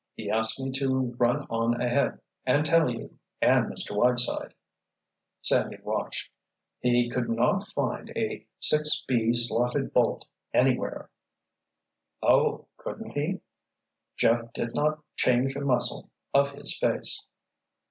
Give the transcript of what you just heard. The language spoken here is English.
He asked me to run on ahead and tell you—and Mr. Whiteside—" Sandy watched, "—he could not find a Six B slotted bolt anywhere!" "Oh, couldn't he?" Jeff did not change a muscle of his face.